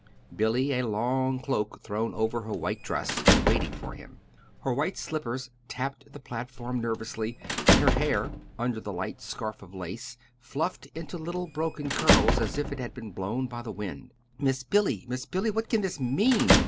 Billy, a long cloak thrown over her white dress, was waiting for him. Her white slippers tapped the platform nervously, and her hair, under the light scarf of lace, fluffed into little broken curls as if it had been blown by the wind. "Miss Billy, Miss Billy, what can this mean?"